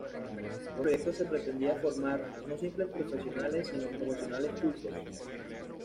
Con este proyecto se pretendía formar, no simples profesionales sino profesionales cultos.